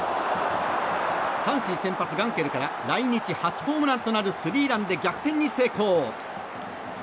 阪神先発、ガンケルから来日初ホームランとなるスリーランで逆転に成功。